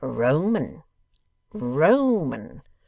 Roman. Roman.